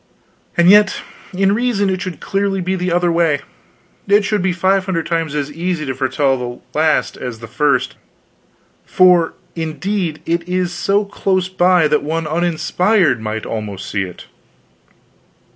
"And yet in reason it should clearly be the other way; it should be five hundred times as easy to foretell the last as the first, for, indeed, it is so close by that one uninspired might almost see it.